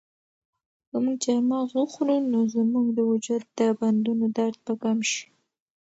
که موږ چهارمغز وخورو نو زموږ د وجود د بندونو درد به کم شي.